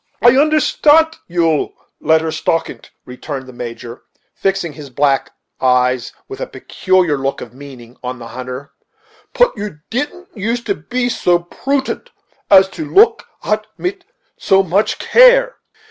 "I unterstant you, Letter Stockint," returned the Major, fixing his black eyes, with a look of peculiar meaning, on the hunter: "put you didn't use to be so prutent as to look ahet mit so much care."